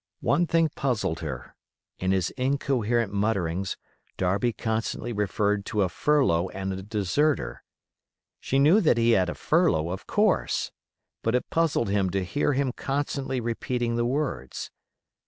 One thing puzzled her: in his incoherent mutterings, Darby constantly referred to a furlough and a deserter. She knew that he had a furlough, of course; but it puzzled her to hear him constantly repeating the words.